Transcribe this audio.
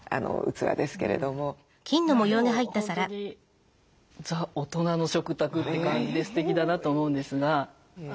でも本当に「ザ・大人の食卓」って感じですてきだなと思うんですが。